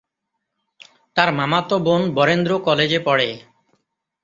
তার মামাতো বোন বরেন্দ্র কলেজে পড়ে।